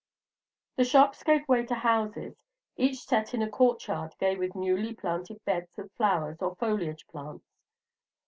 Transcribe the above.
The shops gave way to houses, each set in a court yard gay with newly planted beds of flowers or foliage plants.